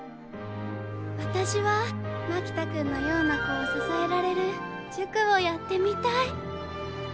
私は牧田君のような子を支えられる塾をやってみたい。